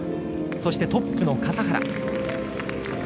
そして、トップの笠原。